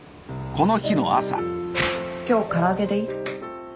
今日唐揚げでいい？